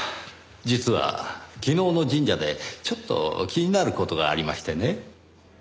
実は昨日の神社でちょっと気になる事がありましてね。